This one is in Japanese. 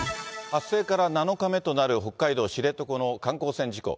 発生から７日目となる北海道知床の観光船事故。